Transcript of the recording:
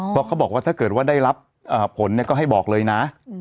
เพราะเขาบอกว่าถ้าเกิดว่าได้รับผลก็ให้บอกเลยนะ